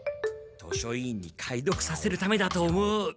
図書委員に解読させるためだと思う。